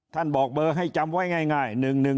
ท่านบอกเบอร์ให้จำไว้ง่าย๑๑๓๐